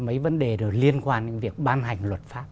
mấy vấn đề liên quan đến việc ban hành luật pháp